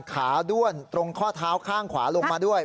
ขาด้วนตรงข้อเท้าข้างขวาลงมาด้วย